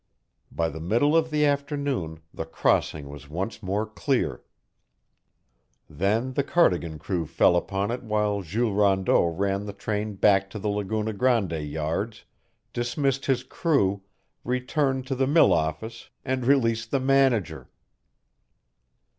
By the middle of the afternoon the crossing was once more clear. Then the Cardigan crew fell upon it while Jules Rondeau ran the train back to the Laguna Grande yards, dismissed his crew, returned to the mill office, and released the manager.